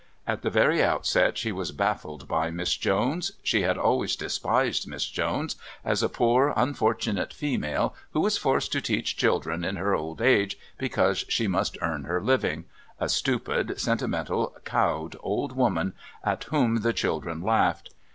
At the very outset she was baffled by Miss Jones. She had always despised Miss Jones as a poor unfortunate female who was forced to teach children in her old age because she must earn her living a stupid, sentimental, cowed, old woman at whom the children laughed.